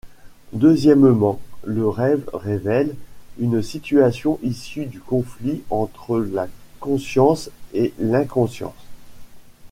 Deuxièmement, le rêve révèle une situation issue du conflit entre la conscience et l'inconscient.